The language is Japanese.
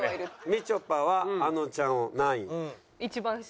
みちょぱはあのちゃんを何位に？一番下。